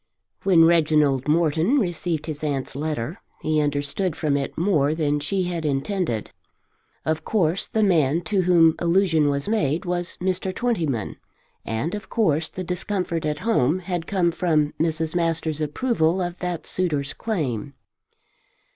When Reginald Morton received his aunt's letter he understood from it more than she had intended. Of course the man to whom allusion was made was Mr. Twentyman; and of course the discomfort at home had come from Mrs. Masters' approval of that suitor's claim.